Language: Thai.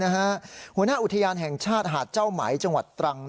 หัวหน้าอุทยานแห่งชาติหาดเจ้าไหมจังหวัดตรัง